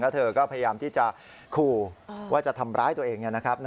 แล้วเธอก็พยายามที่จะคู่ว่าจะทำร้ายตัวเองอย่างนี้นะครับ